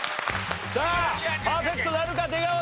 さあパーフェクトなるか出川さん！